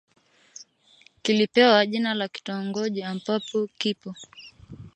Kilipewa jina la kitongoji ambapo kipo